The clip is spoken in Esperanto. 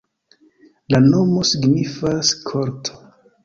La nomo signifas: korto.